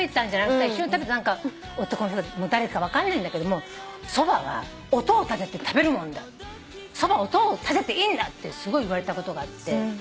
そしたら一緒に食べてた男の人もう誰か分かんないんだけども「そばは音を立てて食べるもんだ」「そばは音を立てていいんだ」ってすごい言われたことがあって。